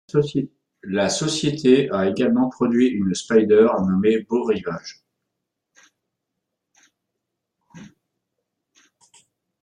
La société a également produit une Spyder nommé Beau Rivage.